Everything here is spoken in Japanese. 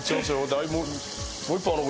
だいぶ。